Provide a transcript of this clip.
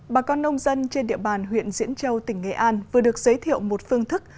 bà con nông dân trên địa bàn huyện diễn châu tỉnh nghệ an vừa được giới thiệu một phương thức